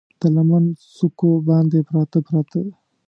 د لمن څوکو باندې، پراته، پراته